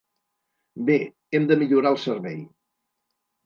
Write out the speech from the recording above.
Bé, hem de millorar el servei.